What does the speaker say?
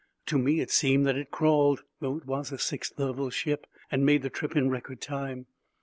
To me it seemed that it crawled, though it was a sixth level ship, and made the trip in record time.